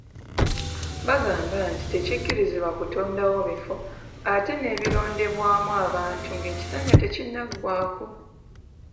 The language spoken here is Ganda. Bagamba nti tekikkirizibwa kutondawo bifo ate nebirondebwamu abantu ng'ekisanja tekinnagwako.